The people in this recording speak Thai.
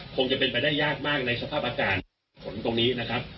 คงจะเป็นไปได้ยากมากในสภาพอากาศฝนตรงนี้นะครับ